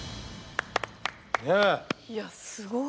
いやすごい。